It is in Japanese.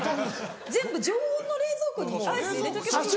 全部常温の冷蔵庫にアイス入れとけば？